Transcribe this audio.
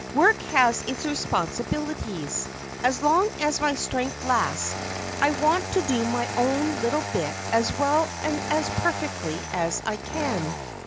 Work has its responsibilities. As long as my strength lasts I want to do my own little bit as well and as perfectly as I can."